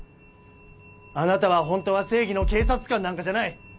あなたは本当は正義の警察官なんかじゃない！